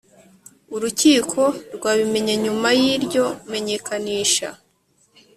urukiko rwabimenye nyuma y iryo menyekanisha